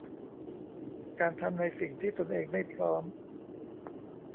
การทำในสิ่งที่ตนเองไม่พร้อม